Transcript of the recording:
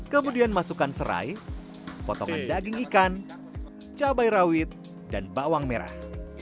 kemudian masukkan serai potongan daging ikan cabai rawit dan bawang merah